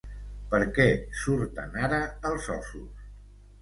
Per què surten ara, els ossos?